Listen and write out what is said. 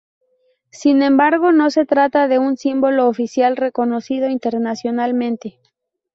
Sin embargo no se trata de un símbolo oficial reconocido internacionalmente.